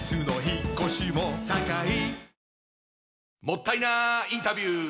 もったいなインタビュー！